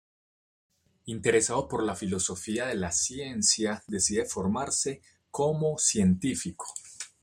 Interesado por la filosofía de la ciencia decide formarse como científico.